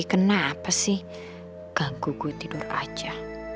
kenapa sih ganggu gue tidur aja